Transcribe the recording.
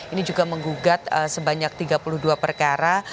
ini juga menggugat sebanyak tiga puluh dua perkara